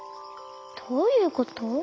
どういうこと？